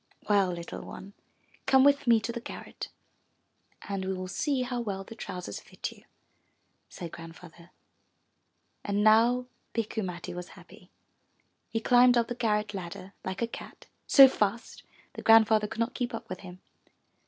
'Well, little one, come with me to the garret and we will see how well the trousers fit you,'' said Grand father. And now Bikku Matti was happy. He climbed up the garrett ladder like a cat, so fast that Grandfather could not keep up with him.